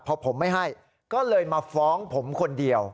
พอผมไม่ให้ก็เลยมาฟ้องผมคนเดียว